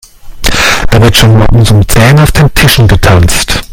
Dort wird schon morgens um zehn auf den Tischen getanzt.